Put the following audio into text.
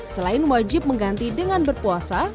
selain wajib mengganti dengan berpuasa